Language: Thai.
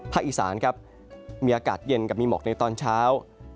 อีสานครับมีอากาศเย็นกับมีหมอกในตอนเช้า